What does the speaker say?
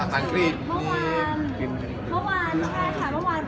เมื่อกี้อาทิตย์๑๐ปีที่วัน